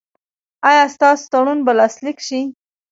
ایا ستاسو تړون به لاسلیک شي؟